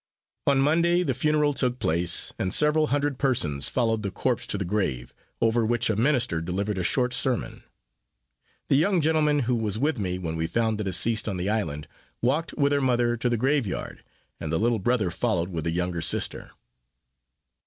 On Monday the funeral took place, and several hundred persons followed the corpse to the grave, over which a minister delivered a short sermon. The young gentleman who was with me when we found the deceased on the island, walked with her mother to the grave yard, and the little brother followed, with a younger sister.